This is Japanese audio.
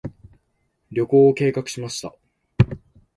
旅行を計画しました。